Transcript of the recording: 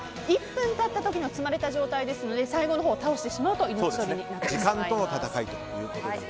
１分経った時の積まれた状態ですので最後のほう倒してしまうと命取りになってしまいます。